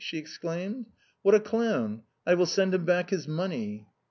she exclaimed ;" what a clown ! I will send him back his money."